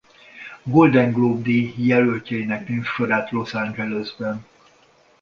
Golden Globe díj jelöltjeinek névsorát Los Angelesben.